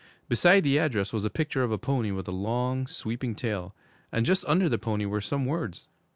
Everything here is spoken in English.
Beside the address was a picture of a pony with a long, sweeping tail, and just under the pony were some words.